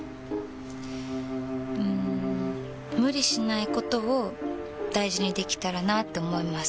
うん無理しないことを大事にできたらなって思います。